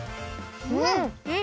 うん！